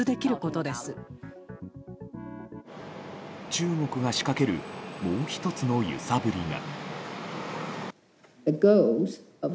中国が仕掛けるもう１つの揺さぶりが。